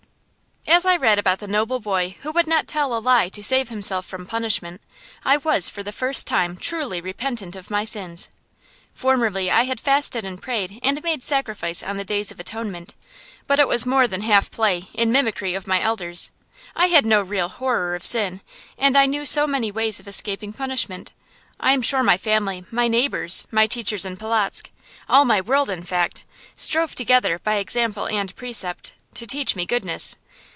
As I read about the noble boy who would not tell a lie to save himself from punishment, I was for the first time truly repentant of my sins. Formerly I had fasted and prayed and made sacrifice on the Day of Atonement, but it was more than half play, in mimicry of my elders. I had no real horror of sin, and I knew so many ways of escaping punishment. I am sure my family, my neighbors, my teachers in Polotzk all my world, in fact strove together, by example and precept, to teach me goodness.